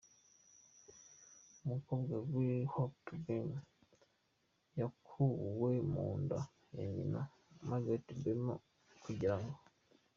Umukobwa LynLee Hope Boemer yakuwe mu nda ya nyina Margaret Boemer kugirango.